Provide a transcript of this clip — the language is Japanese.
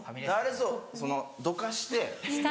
あれをどかして。